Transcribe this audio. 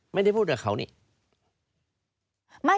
ไม่ได้พูดกับเขานี่